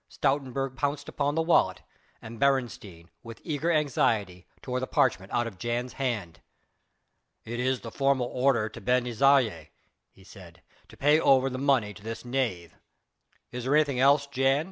Stoutenburg pounced upon the wallet, and Beresteyn with eager anxiety tore the parchment out of Jan's hand. "It is the formal order to Ben Isaje," he said, "to pay over the money to this knave. Is there anything else, Jan?"